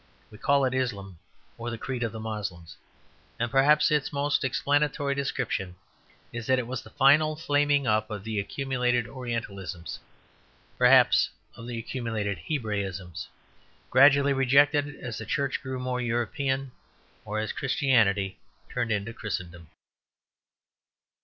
We call it Islam, or the creed of the Moslems; and perhaps its most explanatory description is that it was the final flaming up of the accumulated Orientalisms, perhaps of the accumulated Hebraisms, gradually rejected as the Church grew more European, or as Christianity turned into Christendom.